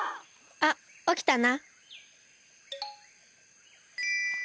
あっおきたな。